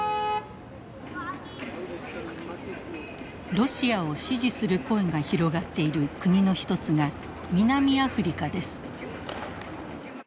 ロシアを支持する声が広がっている国の一つが南アフリカです。